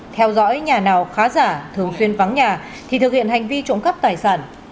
theo dõi nhà nào khá giả thường xuyên vắng nhà thì thực hiện hành vi trộm cắp tài sản